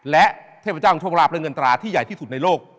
และเทพเจ้าของโชคราบเริ่มอันตราที่ใหญ่ที่สุดในโลก